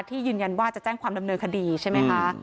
ยืนยันว่าจะแจ้งความดำเนินคดีใช่ไหมคะ